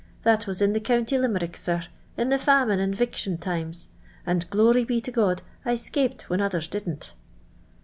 That was in the county Limerick, sir, in the famine and 'viction times ; and, j;lory be to God, I 'scaped when others didn't."